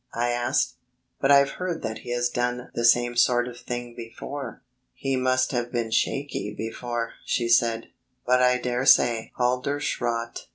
I asked. "But I've heard that he has done the same sort of thing before." "He must have been shaky before," she said, "but I daresay Halderschrodt...."